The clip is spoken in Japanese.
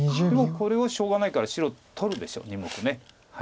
もうこれはしょうがないから白取るでしょう２目。